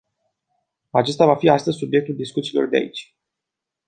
Acesta va fi astăzi subiectul discuțiilor de aici.